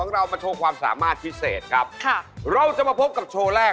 เราจะมาพบกับโชว์แรก